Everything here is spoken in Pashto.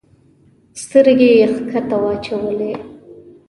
سترګي یې کښته واچولې !